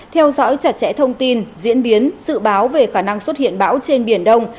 theo dõi chặt chẽ thông tin diễn biến dự báo về khả năng xuất hiện bão trên biển đông